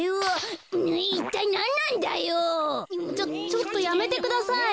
ちょっとやめてください。